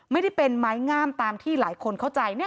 ไม่ได้เป็นไม้งามตามที่หลายคนเข้าใจ